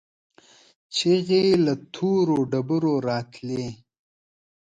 چيغې له تورو ډبرو راتلې.